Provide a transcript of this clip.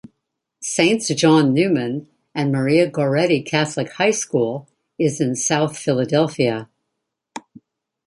Saints John Neumann and Maria Goretti Catholic High School is in South Philadelphia.